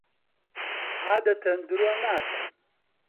عادەتەن درۆ ناکەم.